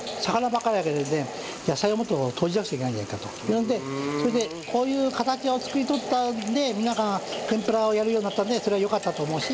なのでそれでこういう形を作ったので天ぷらをやるようになったのでそれはよかったと思うし。